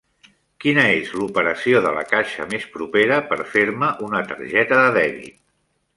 Quina és l'operació de la caixa més propera per fer-me una targeta de dèbit?